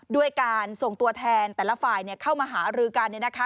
ด้วยการส่งตัวแทนแต่ละฝ่ายเข้ามาหารือกัน